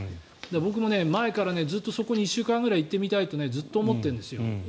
僕も前からずっとそこに１週間ぐらい行ってみたいとずっと思ってるんですよ。